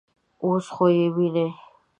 _اوس خو يې وينې.